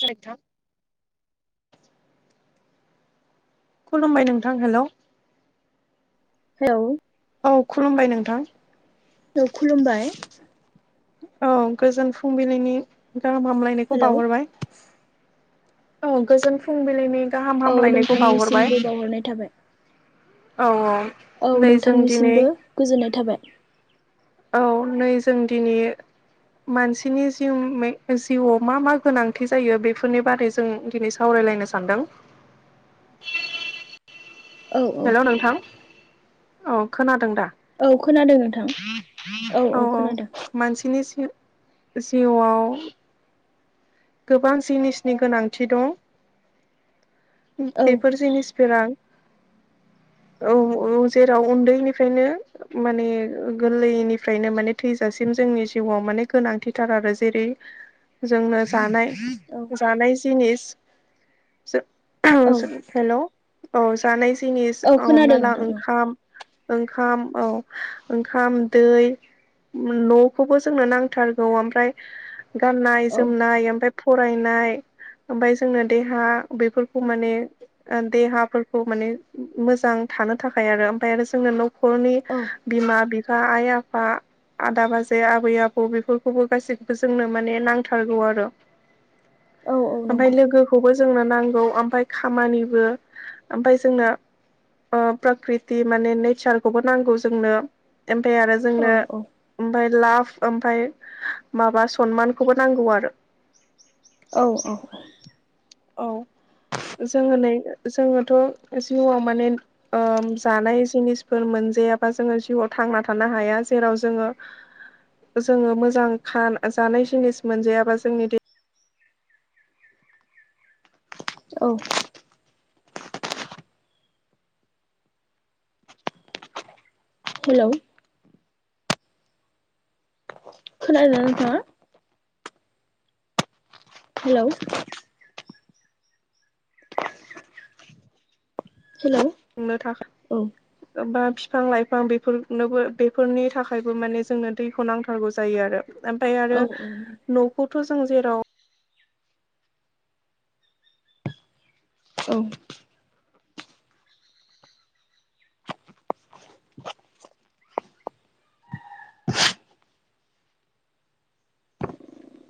नोंथां खुलुमबाय नोंथां हेलौ। हेलौ औ खुलुमबाय नोंथां। औ खुलुमबाय। औ गोजोन फुंबिलिनि गाहाम हामलायनायखौ हेलौ बावहरबाय। औ गोजोन फुंबिलिनि गाहाम औ हामलायनायखौ बावहरबाय नोंथांनिसिमबो बावहरनाय थाबाय औ औ औ नै जों दिनै नोंथांनिसिमबो गोजोननाय थाबाय औ नै जों दिनै मानसिनि जिउ जिउआव मा मा गोनांथि जायो बेफोरनि बारै जों दिनै सावरायलायनो सानदों औ औ हेलौ नोंथां औ खोनादों दा औ खोनादों नोंथां औ औ खोनादों मानसिनि जि जिउआव गोबां जिनिसनि गोनांथि दं औ बेफोर जिनिसफोरा औ औ जेराव उन्दैनिफ्रायनो माने गोरलैनिफ्रायनो माने थैजासिम जोंनि जिउआव माने गोनांथिथार आरो जेरै जोंनो जानाय औ जानाय जिनिस औ [unintelligible] हेलौ औ जानाय जिनिस औ हमना खोनादों ला नोंथां ओंखाम ओंखाम औ ओंखाम दै न'खौबो जोंनो नांथारगौ ओमफ्राय गाननाय औ जोम औ नाय ओमफ्राय फरायनाय ओमफ्राय जोंनो देहा बेफोरखौ माने ओ देहाफोरखौ माने मोजां थानो थाखाय आरो ओमफ्राय आरो जोंनो न खरनि औ बिमा बिफा आइ आफा आदा बाजै आबै आबौ बेफोरखौबो गासैखौबो जोंनो माने नांथारगौ आरो औ औ नंगौ ओमफाय लोगो खौबो जोंनो नांगौ ओमफाय खामानिबो ओमफाय जोंनो ओ प्रकृति माने नेचारखौबो नांगौ जोंनो ओमफाय आरो जोंनो औ औ ओमफाय लाभ ओमफाय माबा सनमानखौबो नांगौ आरो औ औ औ जोङो नै जोङोथ' जिउआव माने ओम जानाय जिनिसफोर मोनजायाबा जोङो जिउआव थांना थानो हाया जेराव जोङो जोङो मोजां खान जानाय जिनिस मोनजायाबा जोंनि दे औ हेलौ खोनादों ना नोंथाङा हेलौ हेलौ खुंनो था औ बा बिफां लाइफां बेफोरनोबो बेफोरनि थाखायबो माने जोंनो दैखौ नांथारगौ जायो आरो ओमफाय आरो औ औ न'खौथ' जों जेराव औ [inaudible]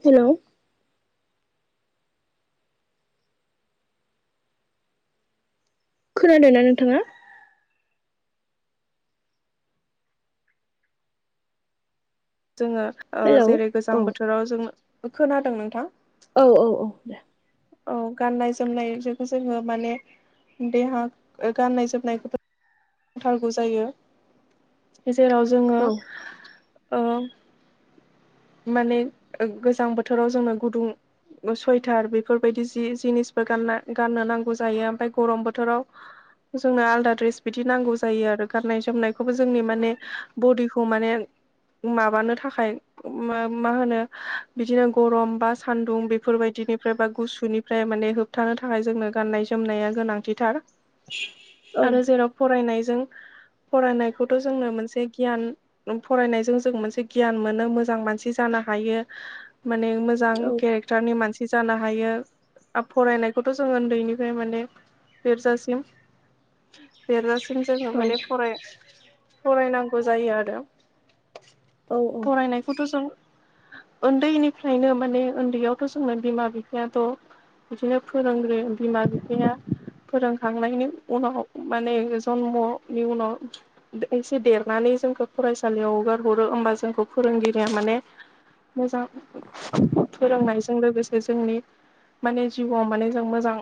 हेलौ खोनादोंना नोंथाङा जोङो ओ हेलौ जेरै गोजां औ बोथोराव जों खोनादों नोंथां औ औ औ दे औ गाननाय जोमनायजों जोङो माने देहा गाननाय जोमनायखौ नांथारगौ जायो जेराव जोङो औ ओ माने गोजां बोथोराव जोंनो गुदुं सुइटार बेफोरबायदि जि जिनिसबो गानना गाननो नांगौ जायो ओमफाय गरम बोथोराव जोंनो आलदा द्रेस बिदि नांगौ जायो आरो गाननाय जोमनाय खौबो जोंनि औ माने बडिखौ माने माबानो थाखाय मा होनो बिदिनो गरम बा सान्दुं बेफोरबायदिनिफ्राय बा गुसुनिफ्राय माने होब होबथानो थाखाय जोंनो गाननाय जोमनाया गोनांथिथार आरो औ जेराव फरायनायजों फरायनायखौथ' जोंनो मोनसे गियान फरायनायजों जों मोनसे गियान मोनो मोजां मोजां मानसि जानो हायो माने मोजां औ के केरेक्टारनि मानसि जानो हायो फरायनायखौथ' जों उन्दैनिफ्राय माने देर जासिम देरजा सिम जोंङो औ माने फराय फरायनांगौ जायो आरो औ फरायनायखौथ' जों उन्दैनिफ्रायनो माने उन्दैयावथ' जोंना बिमा बिफायाथ' बिदिनो फोरोंग्रो बिमा बिफाया फोरोंखांनायनि उनाव माने जनमनि उनाव एसे देरनानै जोंखौ फरायसालियाव हगार हरो होमबा जोंखौ फोरोंगिरिया माने मोजां फोरोंनायजों लोगोसे जोंनि माने जिउआव माने जों मोजां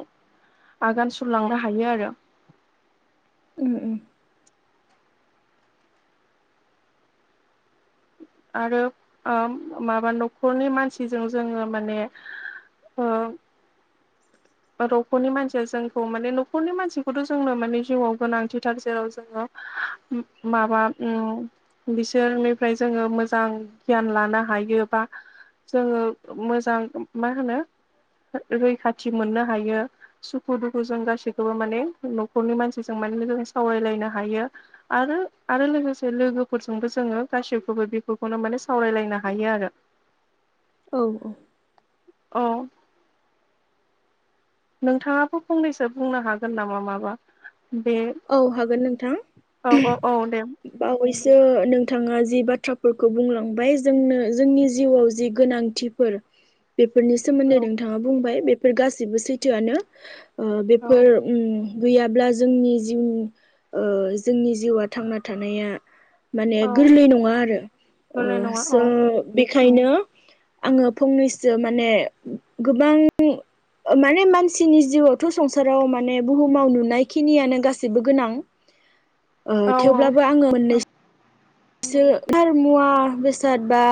आगान सुरलांनो हायो आरो ओम ओम आरो ओ माबा न'खरनि मानसिजों जोंङो माने अ न'खरनि मानसिया जोंखौ माने न'खरनि मानसिखौथ' जोंनो माने जिउआव गोनांथिथार जेराव जोंङो माबा ओ बिसोरनिफ्राय जोंङो मोजां गियान लानो हायो बा जोङो मोजां मा होनो रैखाथि मोननो हायो। सुखु दुखु जों गासैखौबो माने न'खरनि मानसिजों माने मोजां सावरायलायनो हायो आरो आरो लोगोसे लोगोफोरजोंबो जोंङो गासैखौबो बेफोरखौनो माने सावरायलायनो हायो आरो औ औ औ नोंथांङाबो फंनैसो बुंनो हागोन नामा माबा बे औ हागोन औ नोंथां औ औ दे बावैसो नोंथांङा जि बाथ्राफोरखौ बुंलांबाय जोंनो जोंनि जिउआव जि गोनांथिफोर [inaudible] बेफोरनि सोमोनदै औ नोंथांङा बुंबाय बेफोर गाससिबो सैथोआनो ओ औ बेफोर ओम गैयाब्ला जोंनि ओम ओ जोंनि जिउआ थांना थानाया माने औ गोरलै नंङा आरो ओ गोरलै नङा औ स बेखायनो आंङो फंनैसो माने गोबां माने मानसिनि जिउआवथ' संसाराव माने बुहुमाव नुनाय खिनियानो गासै गोनां औ थेवब्लाबो ओ आंङो मोननै सो मुवा बेसाद बा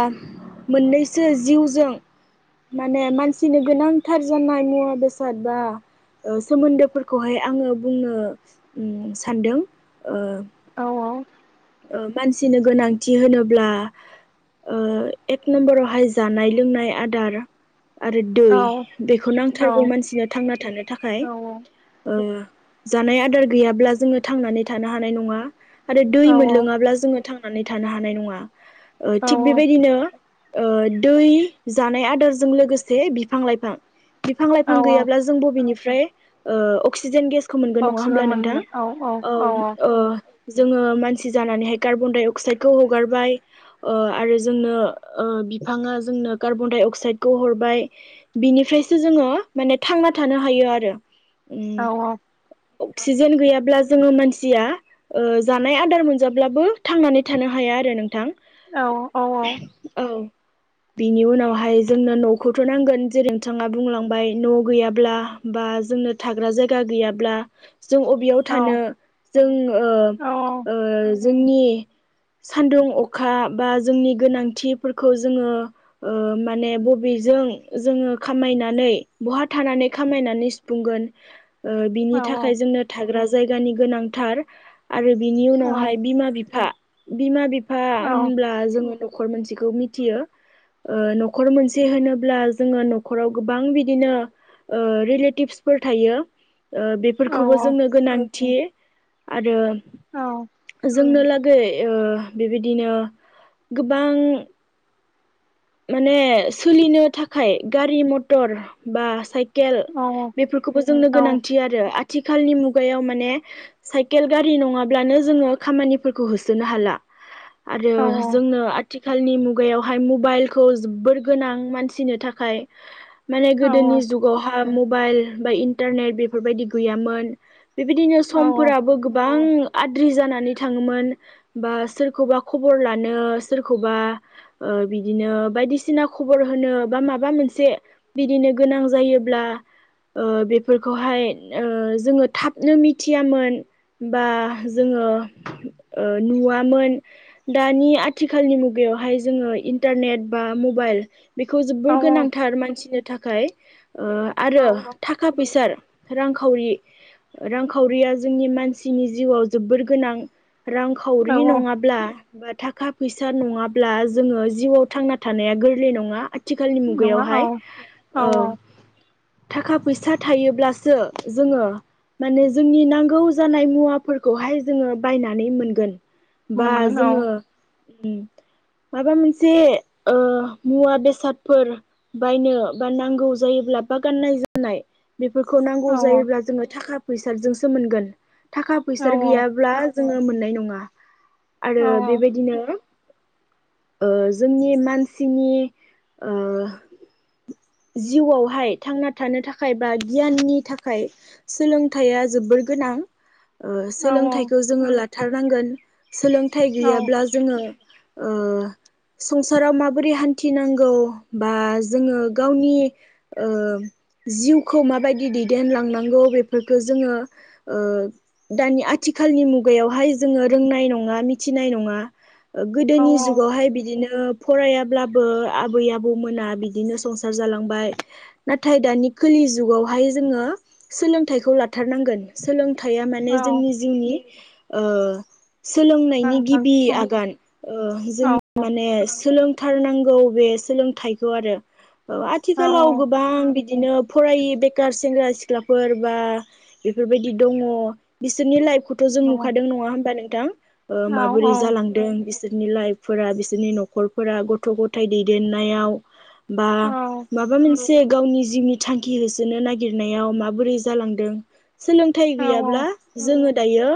मोननैसो जिउजों माने मानसिनो गोनांथार जानाय मुवा बेसाद बा सोमोन्दोफोरखौहाय आंङो बुंनो सानदों ओ औ औ ओ मानसिनो गोनांथि होनोब्ला एक नम्बरावहाय जानाय लोंनाय आदार आरो दै औ बेखौ नांथारगौ मानसिनो थांना थानो थाखाय ओ जानाय आदार गैयाब्ला जोंङो थांनानै थानो हानाय नङा आरो दै औ मोनलोङाब्ला जोंङो थांनानै थानो हानाय नंङा ओ औ थिग बेबायदिनो ओ दै जानाय आदारजों लोगोसे बिफां लाइफां बिफां लाइफां औ औ गैयाब्ला जों बबेनिफ्राय ओ अक्सिजेन गेस खौ मोनगोन नङा होनब्ला नोंथां औ ओ जोङो मानसि जानानैहाय कार्बन डाइ अक्साइदखौ हगारबाय ओ आरो जोंनो ओ बिफाङा जोंनो कार्बन डाय अक्साइदखौ हरबाय। बिनिफ्रायसो जोङो माने थांना थानो हायो आरो औ उम अक्सिजेन गैयाब्ला जोङो मानसिया ओ जानाय आदार मोनजाब्लाबो थांनानै थानो हाया आरो नोंथां। औ औ औ औ बिनि उनावहाय जोंनो न'खौथ' नांगोन जेरै नोंथाङा बुंलांबाय न' गैयाब्ला बा जोंनो थाग्रा जायगा गैयाब्ला जों बेयाव थानो जों ओ ओ जोंनि सान्दुं अखा बा जोंनि गोनांथिफोरखौ जोङो ओ माने बबेजों जोङो खामायनानै बहा थानानै खामायनानै बुंगोन ओ बिनि थाखाय जोंनो थाग्रा जायगानि गोनांथार। आरो बिनि उनावहाय बिमा बिफा बिमा बिफा औ औ होनब्ला जोङो नखर मोनसेखौ मिथियो। ओ न'खर मोनसे होनोब्ला जोङो न'खराव गोबां बिदिनो ओ रिलेटिबसफोर थायो। ओ बेफोरखौबो औ जोंनो गोनांथि आरो जोंनो ओ बेबायदिनो गोबां माने सोलिनो थाखाय गारि मथर बा साइ केल बेफोरखौबो जोंनो गोनांथि आरो आथिखालनि मुगायाव माने साइकेल गारि नङाब्लानो जोङो खामानिफोरखौ होसोनो हाला। आरो जोंनो आथिखालनि मुगायावहाय मबाइल जोबोर गोनां मानसिनो थाखाय मान गोदोनि जुगावहाय मबाइल बा इन्टारनेट बेफोरबायदि गैयामोन। बेबायदिनो समफोराबो गोबां आद्रि जानानै थाङोमोन बा सोरखौबा खबर लानो सोरखौबा ओ बिदिनो बायदिसिना खबर होनो बा माबा मोनसे बिदिनो गोनां जायोब्ला ओ बेफोरखौहाय ओ जोङो थाबनो मिथियामोन। बा जोङो ओ नुवामोन। दानि आथिखालनि मुगायावहाय जोङो इन्टारनेट बा मबाइल बेखौ जोबोर गोनांथार मानसिनि थाखाय ओ आरो था थाखा फैसा रांखावरि रांखावरिया जोंनि मानसिनि जिउआव जोबोर गोनां। रांखावरि नङाब्ला बा थाखा फैसा नङाब्ला जोङो जिउआव थांना थानाया गोरलै नङा आथिखालनि नङा मुगायावहाय औ औ ओ औ थाखा फैसा थायोब्लासो जोङो माने जोंनि नांगौ जानाय मुवाफोरखौहाय जोङो बायनानै मोनगोन। बा मोनगोन औ जोङो माबा मोनसे ओ मुवा बेसादफोर बायनो बा नांगौ जायोब्ला बा गाननाय जोमनाय बेफोरखौ नांगौ औ जायोब्ला जोङो थाखा फैसाजोंसो मोनगोन थाखा औ फैसा गैयाब्ला नाय आरो औ बेबायदिनो जोंनि मानसिनि ओ जिउआवहाय थांना थानो थाखाय बा गियाननि थाखाय सोलोंथाइया जोबोर गोनां। ओ सोलोंथाइखौ जोङो लाथारनांगोन सोलोंथाइ औ गैयाब्ला जोङो ओ संसाराव माबोरै हान्थि नांगौ बा जोङो गावनि जिउखौ माबायदि दैदेनलांनांगौ बेफोरखौ जोङो ओ दानि आथिखालनि मुगायावहाय जोङो रोंनाय नङा मिथिनाय नङा औ गोदोनि जुगावहाय बिदिनो फरायाब्लाबो आबै आबौमोना बिदिनो जालांबाय नाथाय दानि खालि जुगावहाय जोङो सोलोंथखौ हाथारनांगोन सोलोंथाइया माने औ जोंनि जिउनि सोलोंनायनि नांथार गिबि औ आगान जों औ माने सोलोंथारनांगौ बे सोलोंथाइखौ आरो औ औ औ आथिखालाव गोबां बिदिनो फरायै बेखार सेंग्रा सिख्लाफोर बा बेफोरबायदि दङ बिसोरनि लाइफखौ थ' जों नुखादों नङा होमबा नोंथां माबोरै जालांदों बिसोरनि लाइफफोरा बिसोरनि न'खरफोरा गथ' गथाय दैदेननायाव बा माबा मोनसे गावनि जिउनि थांखि होसोनो नागिरनायाव माबोरै जालांदों सो लोंथाइ औ गैयाब्ला जोङो दायो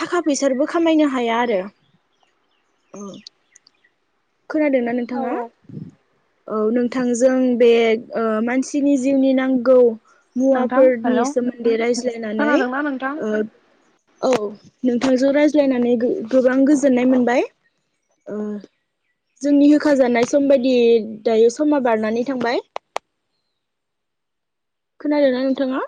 थाखा फैसो खामायनो हाया आरो [unintelligible] खोनादोंना नोंथाङा औ नोंथांजों बे मानसिनि जिउनि नांगौ नोंथां मुवाफोरनि हेलौ सोमोन्दै रायज्लायनानै खोनादोंना नोंथां ओ औ नोंथांजों रायज्लायनानै गोबां गोजोननाय मोनबाय जोंनि होखाजानाय सम बायदि दायो समा बारनानै थांबाय खोनादों ना नोंथाङा